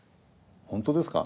本当ですか？